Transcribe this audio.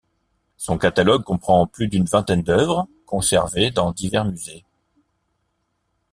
Son catalogue comprend plus d’une vingtaine d’œuvres, conservées dans divers musées.